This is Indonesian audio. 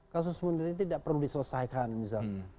kasus munir ini tidak perlu diselesaikan misalnya